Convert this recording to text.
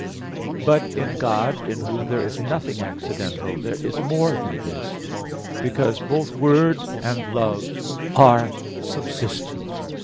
But in God, in whom there is nothing accidental, there is more than this; because both Word and Love are subsistent.